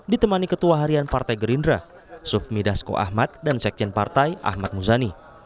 ditemani ketua harian partai gerindra sufmi dasko ahmad dan sekjen partai ahmad muzani